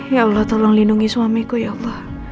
ya allah tolong lindungi suamiku ya allah